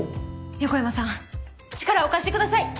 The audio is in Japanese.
横山さん力を貸してください！